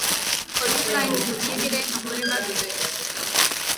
Horiez gain, mutilek ere amore eman dute.